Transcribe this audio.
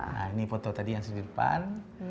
nah ini foto tadi yang sediripan